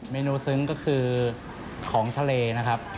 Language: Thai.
เมนูซึ้งก็คือของทะเลนะครับ